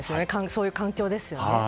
そういう環境ですよね。